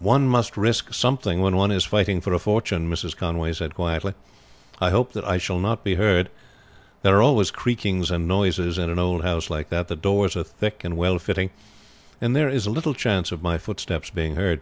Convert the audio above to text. "One must risk something when one is fighting for a fortune," Mrs. Conway said quietly. "I hope that I shall not be heard. There are always creakings and noises in an old house like that. The doors are thick and well fitting, and there is little chance of my footsteps being heard.